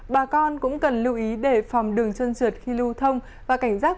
bà con cũng cần lưu ý để phòng đường chân trượt khi lưu thông và cảnh giác